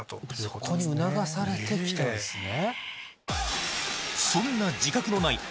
そこに促されて来たんですね。